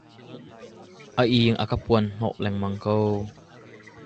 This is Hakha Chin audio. A ing a kan puan hnawh lengmang ko.